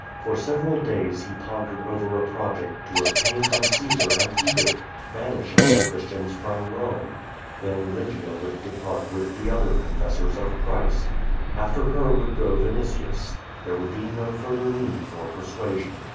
For several days he iwnder ed over a ])roject to obtain from Caesar an edict banishing the Christians from Eome. Then Lygia would depart with the other confessors of Christ. After her would go Vinitius. Tliere would be no further need for persuasion.